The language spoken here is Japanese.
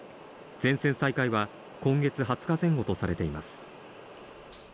全線再開は、今月２０日前後とされています。